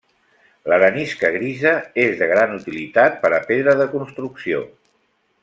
L'arenisca grisa és de gran utilitat per a pedra de construcció.